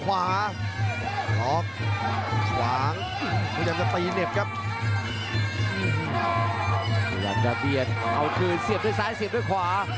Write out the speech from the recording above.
พยายามจะเบียดเอาคืนเสียบด้วยซ้ายเสียบด้วยขวา